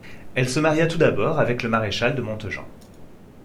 Elle se maria tout d'abord avec le maréchal de Montejan.